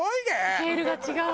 スケールが違う。